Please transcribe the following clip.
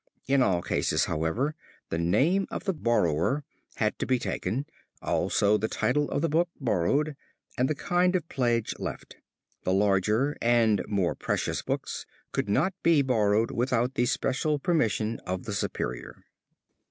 In all cases, however, the name of the borrower had to be taken, also the title of the book borrowed, and the kind of pledge left. The larger and more precious books could not be borrowed without the special permission of the superior.